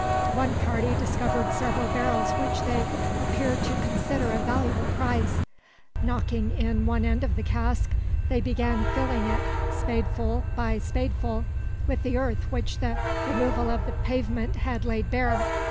One party discovered several barrels which they appeared to consider a valuable prize. Knocking in the end of one cask they began filling it, spadeful by spadeful, with the earth which the removal of the pavement had laid bare.